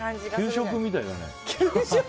給食みたいだね。